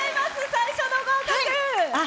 最初の合格！